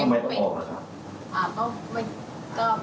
ทำไมต้องออกหรือครับ